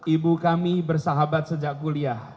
ibu kami bersahabat sejak kuliah